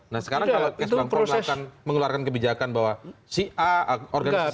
nah sekarang kalau kes bang pol mengeluarkan kebijakan bahwa si a organisasi a ini